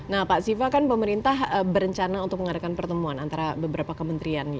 nah pak siva kan pemerintah berencana untuk mengadakan pertemuan antara beberapa kementerian